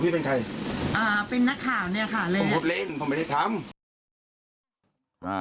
พี่เป็นใครเป็นนักข่าวเนี่ยค่ะผมพูดเล่นผมไม่ได้ทำ